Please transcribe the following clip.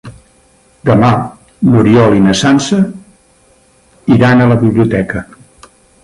Demà n'Oriol i na Sança iran a la biblioteca.